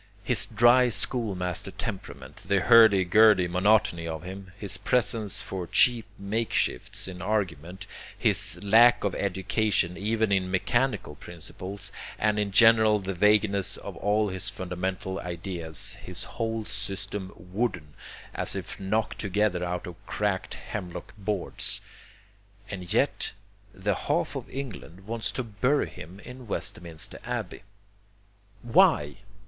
His dry schoolmaster temperament, the hurdy gurdy monotony of him, his preference for cheap makeshifts in argument, his lack of education even in mechanical principles, and in general the vagueness of all his fundamental ideas, his whole system wooden, as if knocked together out of cracked hemlock boards and yet the half of England wants to bury him in Westminster Abbey. Why?